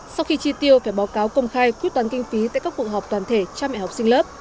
sau khi chi tiêu phải báo cáo công khai quyết toán kinh phí tại các cuộc họp toàn thể cha mẹ học sinh lớp